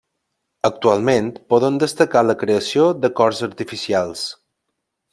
Actualment podem destacar la creació de cors artificials.